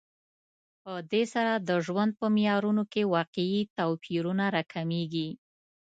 په دې سره د ژوند په معیارونو کې واقعي توپیرونه راکمېږي